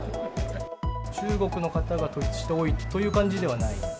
中国の方が突出して多いという感じではない。